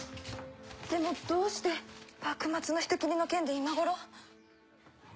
でもどうして幕末の人斬りの件で今頃。